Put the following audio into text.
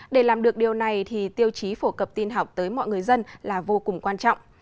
để làm được điều này thì tiêu chí phổ cập tin học tới mọi người dân là vô cùng quan trọng